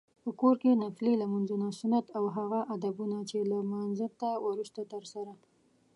په کور کې نفلي لمونځونه، سنت او هغه ادبونه چې له لمانځته وروسته ترسره